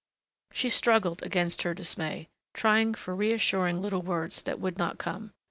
She struggled against her dismay, trying for reassuring little words that would not come.